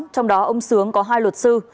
trong đó ông sướng có hai luật sư